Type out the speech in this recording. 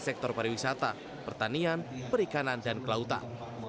sektor pariwisata pertanian perikanan dan kelautan